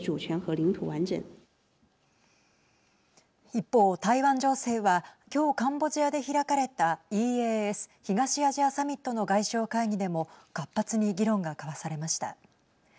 一方、台湾情勢は今日、カンボジアで開かれたＥＡＳ＝東アジアサミットの外相会議でも活発に議論が交わされました。